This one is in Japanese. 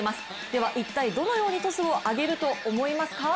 では一体どのようにトスを上げると思いますか？